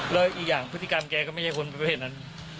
แล้วอีกอย่างพฤติกรรมแกก็ไม่ใช่คนประเภทนั้น